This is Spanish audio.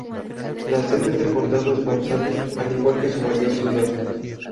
La sede del condado es Gonzales, al igual que su mayor ciudad.